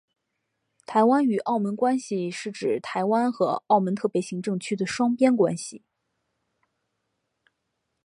台湾与澳门关系是指台湾和澳门特别行政区的双边关系。